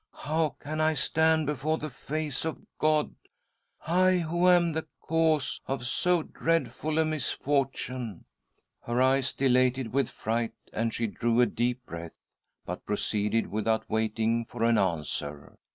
How can I stand before the face of God, I who am the cause of so dreadful a misfortune ?" Her eyes dilated with fright, and she drew a deep breath, but proceeded without waiting' for an answer.